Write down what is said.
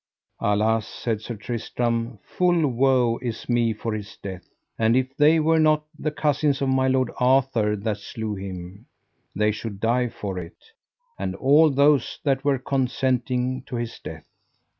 Alas, said Sir Tristram, full woe is me for his death. And if they were not the cousins of my lord Arthur that slew him, they should die for it, and all those that were consenting to his death.